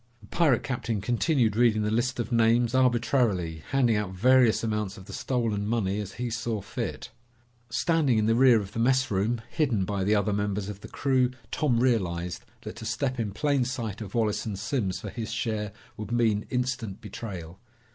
The pirate captain continued reading the list of names, arbitrarily, handing out various amounts of the stolen money as he saw fit. Standing in the rear of the messroom, hidden by the other members of the crew, Tom realized that to step in plain sight of Wallace and Simms for his share would mean instant betrayal.